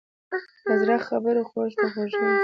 له زړه خبرې غوږ ته خوږې وي.